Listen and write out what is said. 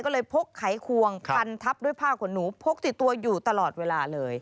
ก็เลยพกไขควงพันทับด้วยผ้าขนหนูพกติดตัวอยู่ตลอดเวลาเลย